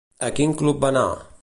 A quin club va anar?